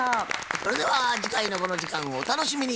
それでは次回のこの時間をお楽しみに。